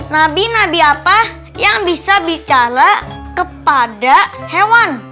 nabi nabi apa yang bisa bicara kepada hewan